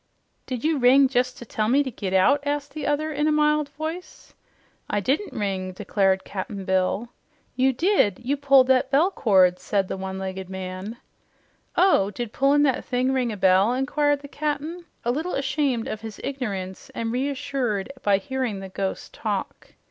"Did you ring jes' to tell me to git out?" asked the other in a mild voice. "I I didn't ring," declared Cap'n Bill. "You did. You pulled that bell cord," said the one legged (one or more lines missing here in this edition) "Oh, did pullin' that thing ring a bell?" inquired the Cap'n, a little ashamed of his ignorance and reassured by hearing the "ghost" talk.